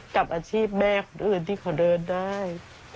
กับอาชีพแม่คนอื่นที่เขาเดินได้